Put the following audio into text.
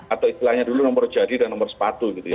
atau istilahnya dulu nomor jadi dan nomor sepatu gitu ya